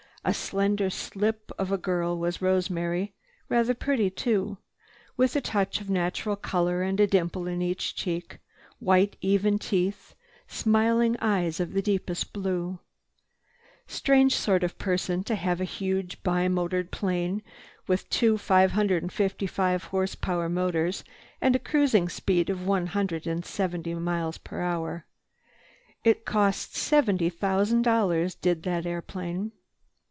A slender slip of a girl was Rosemary, rather pretty, too, with a touch of natural color and a dimple in each cheek, white even teeth, smiling eyes of deepest blue. Strange sort of person to have a huge bi motored plane with two 555 horse power motors and a cruising speed of one hundred and seventy miles per hour. It cost seventy thousand dollars did that airplane.